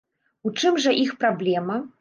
У чым жа іх праблема?